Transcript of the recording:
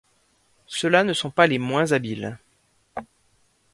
Ceux-là ne sont pas les moins habiles.